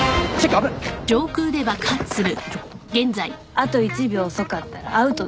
あと１秒遅かったらアウトだった。